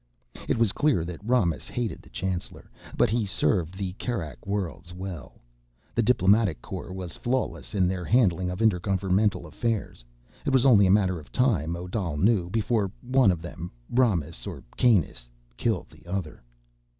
It was clear that Romis hated the chancellor. But he served the Kerak Worlds well. The diplomatic corps was flawless in their handling of intergovernmental affairs. It was only a matter of time, Odal knew, before one of them—Romis or Kanus—killed the other.